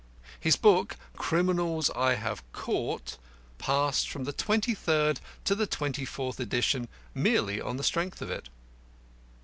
His book, Criminals I have Caught, passed from the twenty third to the twenty fourth edition merely on the strength of it.